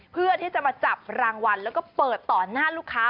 เพื่อที่จะมาจับรางวัลแล้วก็เปิดต่อหน้าลูกค้า